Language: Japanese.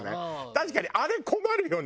確かにあれ困るよね。